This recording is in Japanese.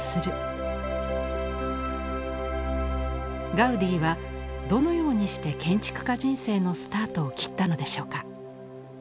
ガウディはどのようにして建築家人生のスタートを切ったのでしょうか。